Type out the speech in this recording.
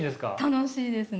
楽しいですね。